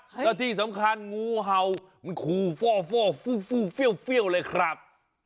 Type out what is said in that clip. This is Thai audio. แล้วที่สำคัญงูเห่ามันขู่ฟ่อเฟี้ยวเลยครับ